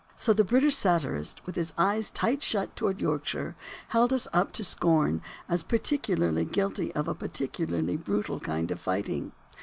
So the British satirist, with his eyes tight shut toward York shire, held us up to scorn as peculiarly guilty of a par ticularly brutal kind of fighting.